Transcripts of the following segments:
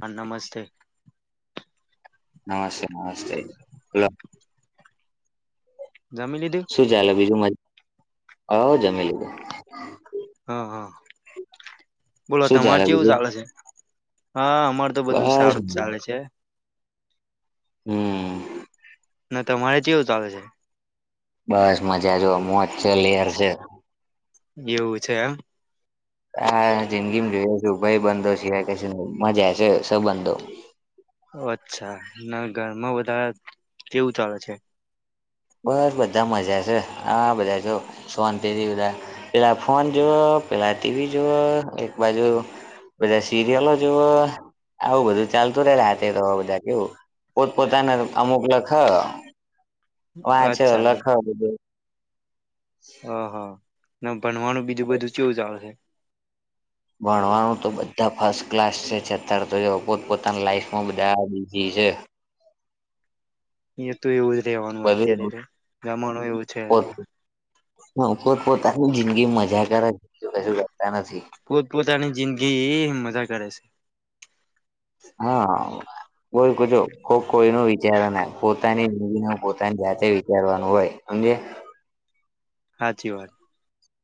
હા નમસ્તે. નમસ્તે-નમસ્તે હલો જમી લીધું? શું ચાલે બીજું મજ આવ જમે લીધું. હા-હા બોલો શું તમાર જે એવું બીજું ચાલે છે? હા અમાર તો બધું બસ સારું જ ચાલે છે. હમ ના તો મારે જેવું ચાલે છે? બસ મજા જો મોજ છે, લેર છે. એવું છે, આ હા જિંદગીમાં જોઈએ છું, ભાઈ બંધો સિવા કેમાં જાય છે, સબંધો અચ્છા ના ઘરમાં વધારે કેવું ચાલે છે? બસ બધા મજા છે, આ બધા જો સોંત બધા પેલા ફોન જોુવો પેલા ટીવી જોુઓ એક બાજુ બા સીરયલો જોવો. આવું બધું ચાલતું રહેેતે તોવા બધા કેવું પોત પોતાના અમુક લખ વાંચો અચ્છા લખ બધું ઓહા ભણવાનું બીજું બધું કેવું ચાલે છે? ભણવાનું તો બધા ફર્સ્ટ ક્લાસ છે, છતાં તો પોત પોતાની લાઈફ માં બધા બિઝી છે. એ તો એવું જ રેવાનું બધું અત્યારે રમણું એવું છે. હ કોઈ પોતાની જિંદગી મજા કરે કશું કરતા નથી. પોત પોતાની જિંદગી એ મજા કરે છે. હા બોલ કજો કોઈ ન વિચારો ના પોતાની જિંદગીને પોતાની જાતે વિચારવાનું હોય અમને સાચી વાત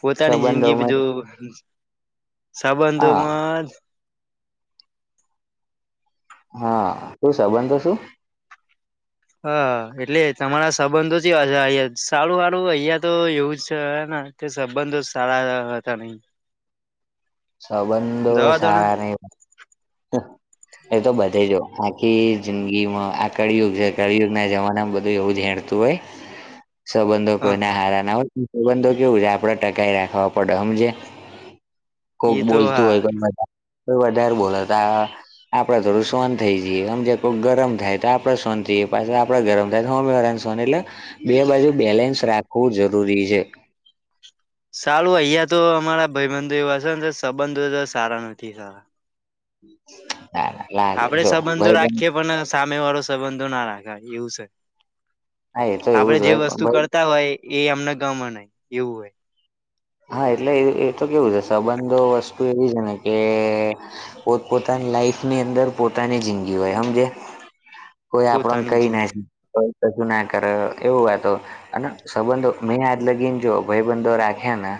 પોતાની જિંદગી સંબંધોમાં બધું હા સંબંધોમાં હા શું સાબંધ તો શું? હા એટલે તમારા સંબંધો છેશે અ સારું વાળું અહિયાયા તો એવું જ છે, ને તે સંબંધો સારા હતા નહી સંબંધો જવા દો ને સારા નહી એ તો બધે જ આખી જિંદગીમાં આ કળિયુગ છે, કળિયુગના જમાનામાં બધું એવું ધ્યાન તોય [inaudible] સંબંધો હા કોઈને હા હારા ના હોય સંબંધો કેવું છે આપડે ટકાઈ રાખવા પડે સમજે. એ કોઈક તો બોલતું હા હોય તોા વધારે બોલા ત. આપડે થોડું શોન થઈ જઈએમજ કોઈ ગરમ થાય તો આપડે શોન થઈએ પાછ આપડે ગરમ થાય તો હોમી વાળા. એટલે બે બાજુ બેલેન્સ રાખવું જરૂરી છે. સારું અહિયાં તો અમારા ભાઈબંધુ એવા છે ને તો સંબંધો તો સારા નથી સારા. ના ના. લાગે આપડે જો સંબંધો ભાઈબંધ રાખીએ પણ. સામે વાળો સંબંધો ના રાખે એવું છે હા એ તો એવું આપડે જ જે હોય પણ વસ્તુ ભાઈ કરતા. હોય એ અમના ગામમાં નહ એવું હોય. હા એટલે એ તો કેવું છે સંબંધ વસ્તુ એવી છે ને કે. પોત પોતાની લાઈફની અંદર પોતાની જિંદગી હોય સમમજ. કોઈ આપણ પોતાની કઈ ના. જિંદગી કશું ના કરે એવું વાતો અને સંબંધો મેં આજ લગીને જો ભાઈબંધો રાખ. હના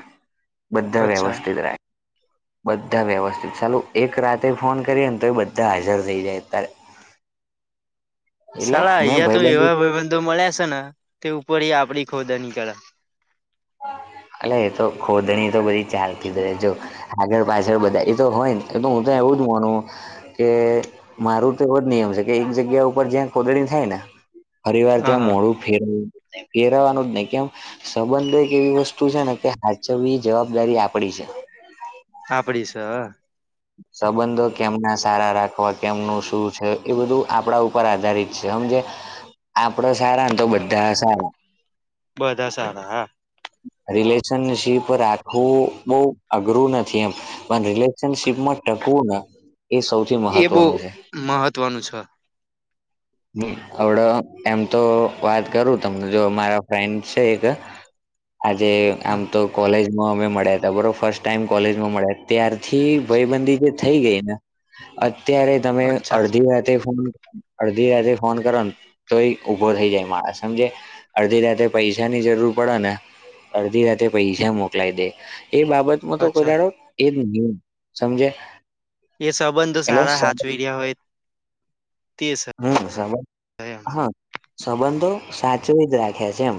બધા અચ્છા વ્યવસ્થિત રહે. [inaudible] બધા વ્યવસ્થિત ચાલું એક રાતે ફોન કરીએ ને તો એ બધા હાજર થઈ જાય અત્યારે. [inaudible] એટલે સાારા મેં અહિયાયા તો ભાઈબંધુ એવા ભબંધો મળ્યા છે ને તે ઉપર આપડી ખોદા નીકળ્યા. અ એ તો ખોદણી તો બધી ચાલતી જ જો. આગળ પાછળ બધા એ તો હોય ને એ તો હું ત એવું જ માનું. કે મારું તો એવો જ નિયમ છે કે એક જગ્યા ઉપર જ્યાં કોદણી થાય ને. ફરીવાર ત્યાં હા મોડું ફેરવ ફેરવવાનું જ નહી કેમ સંબંધ. એવી વસ્તુ છે ને કે સાાચવવી જવાબદારી આપડી છે. આપ પડી છે. સંબંધો કેમના સારા રાખવા કેમનું શું છે એ બધું આપણા ઉપર આધારિત છે આમ જે. [inaudible] આપડો સારાને તો બધા સારા. બધા સારા હા. રિલેશનશીપ આખું બહ અઘરું નથી એમ પણ રિલેશનશીપ. ટમાં ટકવો એ સૌ. એ બહ મહત્વનું છે. હડ એમ તો વાત કરું તમને જો મારા ફ્રેન્ડ છે એક. આજે હ આમ તો કોલેજ. માં અમે મળ્યા ત બરોબર ફર્સ્ટ ટાઈમ કોલેજમાં મળ્યા ત્યારથી ભાઈબંધી જે થઈ ગઈ ને. અત્યારે તમે અચ્છા અડધી રાતે ફોન. ી રાત્રે ફોન કરો ને તો એ ઉભો થઈ જાય મારે સમજે. અડધી રાતે પૈસા ની જરૂર પડે ને. અડધી રાતે પૈસા મોકલાય દે એ બાબત. તો કોઈ અચ્છા દાડો એજ નહી સમજે. એ સંબંધો એટલે સારા સબ- હાચવી રહ્યા હોય તે છે. હમ શ. હા સંબંધો સાચવી જ રાખે છે એમ.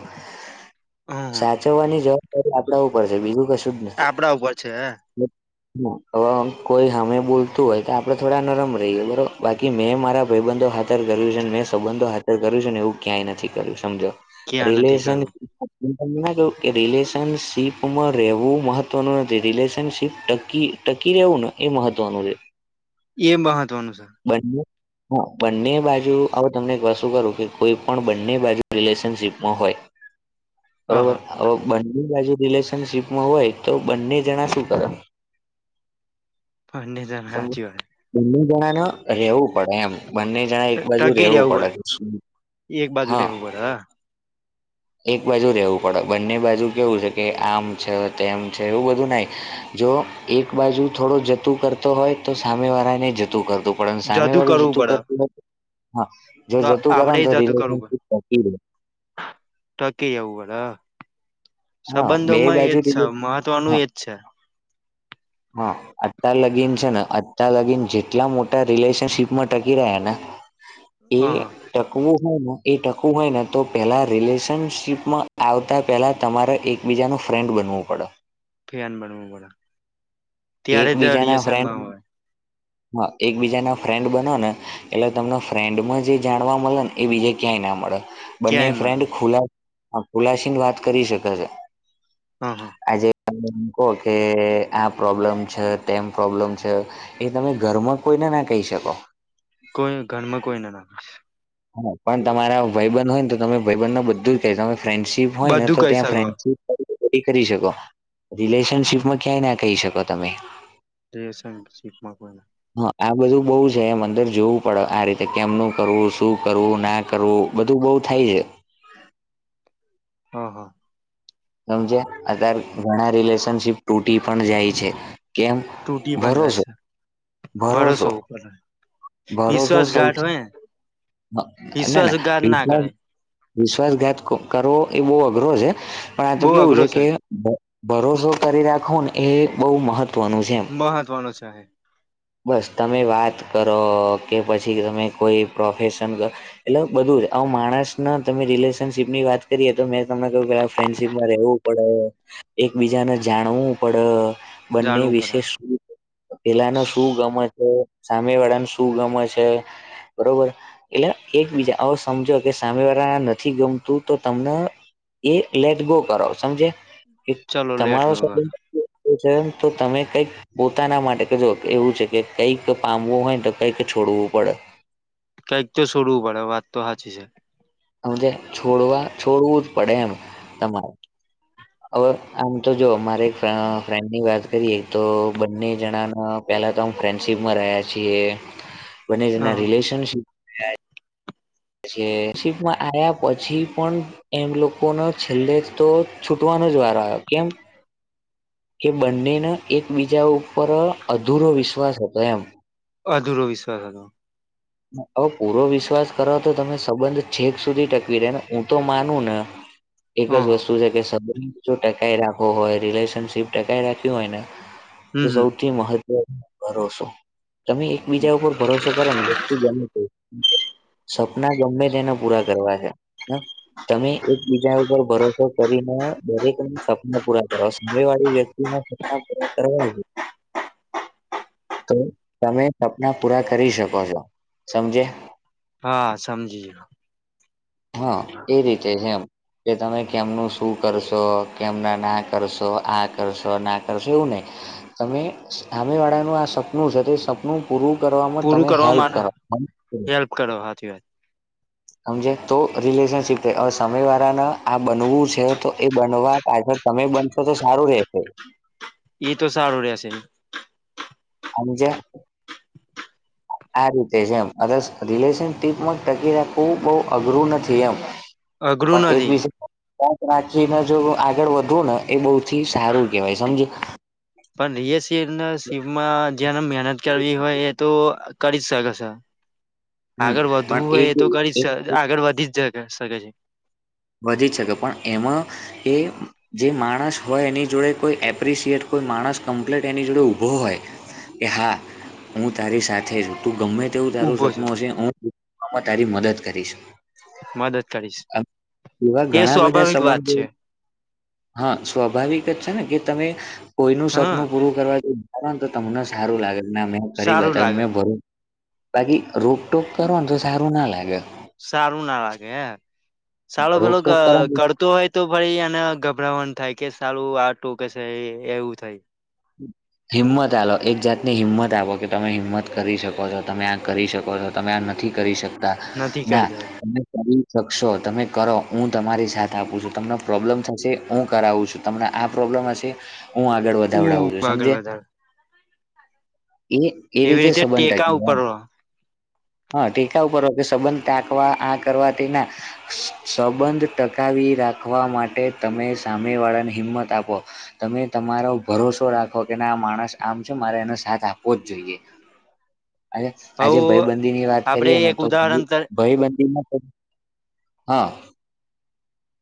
હમ સાચવવાની જવાબદારી આપડા ઉપર છે બીજું કશું જ નથી. આપડા ઉપર છે હવે કોઈ અમે બોલતું હોય તો આપડે થોડા નરમ રહીએ બરોબર બાકી મેં મારા ભાઈબંધો. હાજર કર્યું છે ને મેં સંબંધો હાજર કર્યું છે ને એવું ક્યાંય નથી કર્યું સમજો. કે આ નથી રિલેેશનશપ. કરવું હ તમને કું કે રિલેશનશીપમાં રહેવું મહત્વનું નથી રિલેશનશીપ ટકી. ટકી રહેવું ને એ મહત્વનું છે. એ મહત્વનુંસાર. બને. બંને બાજુ હ તમને એક વતુ કરું કે કોઈ પણ બંને બાજુ રિલેશનશીપમાં હોય. હ બરોબર હા હવે બંને બાજુ રિલેશનશીપમાં હોય તો બંને જણા શું કર હ નને જ સમજ હંચી બંને જણા ન રેવું પડે એમ બંને જ એક બાજુ ર રહેવું પડે હા બડા એક બાજુ રહેવું પડે બંને બાજુ કેવું છે કે આમ છે તેમ છે એવું બધું ના જો એક બાજુ થોડો જતું કરતો હોય તો સામેવાળાને જતું કરત પણ સામે જદુ વાળું કરવું જતું પડે કરતું નથી જો તો જતું કરો આપડે ને તો રિલેશનશીપ થતી જ ટકે ઉુંવાળ હા બે સંબંધોમાં એ બાજુ જ છે રિલે- મહત્વનું હા એ જ છે હા અતાાર લગીન છે ને અાર લગીન જેટલા મોટા રિલેશનશીપમાં ટકી રહ્યા ને એ હ ટકવું હોય ને એ ટકવું હોય ને તો પેલા રિલેશનશીપમાં આવતા પેલા તમારે એકબીજાનું ફ્રેન્ડ બનવું પડે ફિયાન બનવું પ ત્યારે એકબીજાના ફ્રેન્ડ રએશનમાં હોય હા એક બીજા ના ફ્રેન્ડ બનો ને એટલે તમને ફ્રેન્ડમાં જે જાણવા મળે ને એ બીજે ક્યાંય ના મળે બંને ક્યાંય મળે ફ્રેન્ડ ખુ ખુલાસીન વાત કરી શકે છે હ હ આજે કે આપ પ્રોબ્લમ છે તેમ પ્રોબ્લેમ છે એ તમે ઘરમાં કોઈને ના કહી શકો કોઈ ઘરમાં કોઈ ના નાખ હા પણ તમારા ભયબન હોય ને તો તમે ભયબંધ ન બધું જ કે તમે ફ્રેન્ડ પ હોય ને બધું તો કહી ત્યાં શકો ફ્રેન્ડશીપ કરી શકો રિલેશનશીપમાં ક્યાંય ના કહી શકો તમે દસંગ સીટમાં કોને હા આ બધું બઉુ છે એમ અંદર જોવું પડે આ રીતે કેમનું કરવું શું કરવું ના કરવું બધું બહુ થાય છે હા હા સમજ અતાર ઘણા રિલેશનશીપ તૂટી પણ જાય છે કેમ તૂટી પણ જાય ભરોસો છે બરોસ ભરોસો હોવું કરે ભરોસો સૌથી વિશ્વાસઘાત ના કરાય વિશ્વાસઘાત કરવો એ બહુ અઘરો છે પણ આ તો બહુ કેવું અઘરો છે કે ભરોસો કરી રાખો ને એ બહઉ મહત્વનું છે એમ. મહત્વનો છે બસ તમે વાત કરો કે પછી તમે કોઈ પ્રોફેશન કર એટલે બધું જ આવ માણસ ના તમે રિલેશનશીપ ની વાત કરીએ તો મેં તમને કહ્યું પેલા ફ્રેન્ડશીપમાં રહેવું પણ એકબીજાને જાણવું પણડ બંને જાણવું પડે વિશે પેલાનો શું ગમે છે સામે વાળાને શું ગમે છે બરોબર એટલે એકબીજા આવો સમજો કે સામે વાળા નથી ગમતું તો તમને એ લેટ ગો કરાવ સમજે ચલો લેટ ગો તમારોબ કર તો તમે કઈક પોતાના માટે કજો એવું છે કે કંઈક પામવું હોય ને તો કંઈક છોડવું પડે કંઈક તો સોરૂુંડે વાત તો હાચી છે સમજે છોડવા છોડવું જ પડે એમ તમારે હવે આમ તો જો મારે અ એક ફ્રેન્ડની વાત કરીએ તો બંને જણાના પહેલાં તો અું ફ્રેન્ડશિપમાં રહ્યા છીએ. હ [unintelligible] બને જેના રિલેશનશીપ જે શિપમાં આવ્યા પછી પણ એમ લોકોનો છેલ્લે તો છૂટવાનો જ વારો આયો કેમ કે બંનેને એકબીજા ઉપર અ અધૂરો વિશ્વાસ હતો એમ. અધૂરો વિશ્વાસ હતો. હવે પૂરો વિશ્વાસ કરો તો તમે સંબંધ છેક સુધી ટકી રે ને હું તો માનું ન એક હ જ વસ્તુ છે કે સબંધ જો ટકાઈ રાખવો હોય રિલેશનશીપ ટકાઈ રાખ્યું હોય ને તો હમ સૌ હમ સૌથી મહત્વ ભરોસો તમે એકબીજા ઉપર ભરોસો કરો ને ગમે સપના ગમે તેના પૂરા કરવા હૈ. હ તમે એકબીજા ઉપર ભરોસો કરીને દરેક ના સપના પૂરા કરવા સામે વાળી વ્યક્તિ ના સપના પૂરા કરવા તો તમે સપના પૂરા કરી શકો છો સમજ્યા. હા સમજી જ્યો. હા એજ રીતે જેમ. કે તમે કેમનું શું કરશો કેમના ના કરશો આ કરશો ના કરશો એવું નઈ. તમે સામે વાળાનું આ સપનું છે તે સપનું પૂરું કરવામાં પૂરું તમે કરવા હેલ્પ માટે કરો. હેલ્પ કરો હાચી વાત. હમજ્યા તો રિલેશનશીપ છે, હવે સામે વાળાના આ બનવું છે તો એ બનવા પાછળ તમે બનશો તો સારું રેહશે. ઈ તો સારું રેશે. અન જે [unintelligible] આ રીતે છે એમ અવે રિલેશનશીપમાં ટકી રાખવું બઉ અઘરું નથી એમ અઘરું પણ એક નથી વિશે પાચ રાખીને જો આગળ વધવું ને એ બૌુ થી સારું કેવાય સમજ્યા પણ નિયસિર ન શીવમાં જેને મેનત કરવી હોય એ તો કરી જ શક છ હમ આગળ વધવું પણ હોય એ તો કેવું, કરી શ આગળ વધી જ શકે છે. વધી જ શકે પણ એમાં એ જે માણસ હોય એની જોડે કોઈ એપ્રિસિએટ કોઈ માણસ કમ્પ્લેટ એની જોડે ઊભો હોય કે હા હું તારી સાથે જ હું. તું ગમે તેવું તારું ઊભો છું સપનું હશે હું તારી મદદ કરીશ મદદ કરીશ. આમ એવા એ ઘણા બધા સ્વાભાવિક વાત સંબંધો છે હા સ્વાભાવિક જ છે ને કે તમે કોઈનું હા સપનું પૂરું કરવા જો [unintelligible] તો તમને સારું લાગે કે ના મેં કરી સારું બતાયુંન લાગે મેં ભરો બાકી રોકટોક કરોન તો સારું ના લાગ સારું ના લાગે હે, સાલો પેલો ક રોકટોક કરો ને કરતો હોય તો પહી એને ગભરામણ થાય કે સાલુ આ ટોકે સે એ એવું થાય. [inaudible] હિંમત આલ એક જાતની હિંમત આવ કે તમે હિંમત કરી શકો છો તમે આ કરી શકો છો. તમે આ નથી કરી શકતા નથી ના કરતા કરી શકશો તમે કરો હું તમારી સાથ આપું છું તમને પ્રોબ્લમ થશે હું કરાવું છું. તમને આ પ્રોબ્લમ હશે હું આગળ હું વધાવડાવું છું આગળ સમજે વધાર. એ એ એવી રીતે સંબંધ ટેકા ટકી રે ઉપર એમ રહો હા ટેકા ઉપર હો કે સંબંધ ટાકવા આ કરવા થી ના સંબંધ ટકાવી રાખવા માટે તમે સામે વાળાને હિંમત આપો તમે તમારો ભરોસો રાખો કે ના આ માણસ આમ છે મારે એનો સાથ આપવો જ જોઈએ. આજે હવ આજે ભયબંધી ની વાત આપડે કરીએ ને એક તો ઉદાહરણ તર ભયબંધીમાં હા.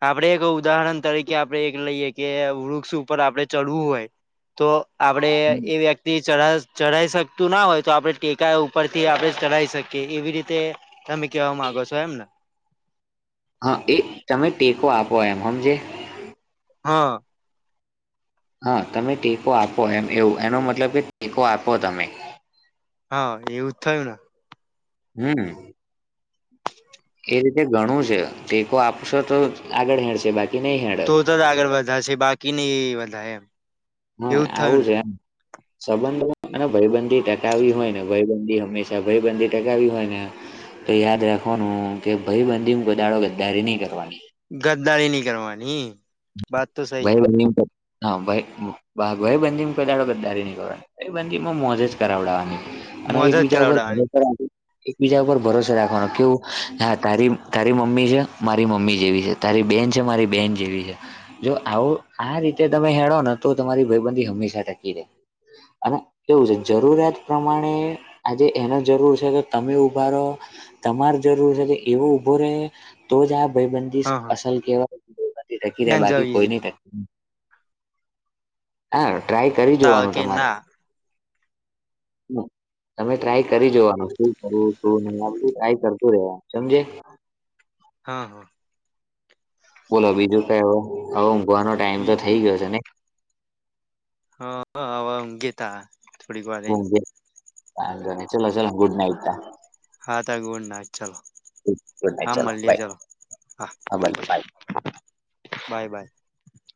આપડે એક ઉદાહરણ તરીકે આપડણે એક લઈએ કે વૃક્ષ ઉપર આપડણે ચડવું હોય તો આપડે એ વ્યક્તિ થી ચ ચઢાઈ શકતું ના હોય તો આપણે ટેકા ઉપર થી આપણે ચઢાવ શકીએ એવી રીતે તમે કેહેવા માંગો છો એમ ને હા એ તમે ટેકો આપો એમ સમમજે હા હા તમે ટેકો આપો એમ એવું એનો મતલબ કે ટેકો આપો તમે હા એવું જ થયું ને હમ એ રીતે ઘણું છે ટેકો આપશો તો આગળ હેડશે બાકી નહી હે તો તો જ આગળ વધા છે બાકી નહ વધારે એમ હા એવું જ થયું આવું ને છે એમ સંબંધો ભયબંધી ટકાવી હોય ને ભયબંધી હંમેશા ભયબંધી ટકાવી હોય ને તો યાદ રાખવાનું કે ભાઈ બંધી કોઈ દાડો ગદ્દારી નહી કરવાની ગદ્દારી નહી કરવાની વાત તો સહી હે ભાઈ વહી હા ભ ભાઈબંધીડ ગદ્દારી ન કરવા ભયબંધીમાં મોજેજ કરાવડાવવાની અને મોજ જ એકબીજા ઉપર કરાવડાવાની ભરોસર એકબીજા ઉપર ભરોસો રાખવાનો કેવું હા તારી તારી મમ્મી છે મારી મમ્મી જેવી છે તારી બેહેન છે મારી બહેન જેવી છે જો આવો આ રીતે તમે હેળો ને તો તમારી ભયબંધી હંમેશા ટકી રહેે અને એવું છે જરૂરિયાત પ્રમાણે આજે એનો જરૂર છે તો તમે ઉભા રહો તમાર જરૂર છે કે એવો ઉઊભો રહે તો જ આ ભાઈબંધ હા હા અસલ કેવાય નથી ટકી બેન રહ્યા બાકી જવી કોઈની ટકી હા ટ્રાય કરી જોવાનું કે તમારે ના તમે ટ્રાય કરી જોવાનું શું કરું શું નહી આપું ટ્રાય કરતું રહે સમજે હા હા બોલો બીજું કઈ હોય હવે ઊંઘવાનો ટાઈમ તો બી થઈ ગયો છે ને હ હવા ઘેતા હ ચલો ચલો ગુડ નઈટ હા ત ગોડ ના ચાલો ગુડ નાઈટ હા ચલો મળલે બાય ચાલો હા બાય બાય